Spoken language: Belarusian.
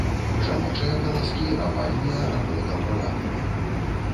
Жаночыя каласкі авальныя або даўгаватыя.